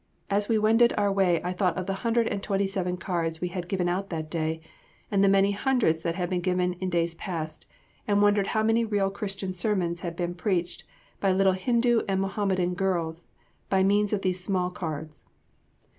As we wended our way I thought of the hundred and twenty seven cards we had given out that day, and the many hundreds that had been given in days past, and wondered how many real Christian sermons had been preached by little Hindu and Mohammedan girls by means of these small cards.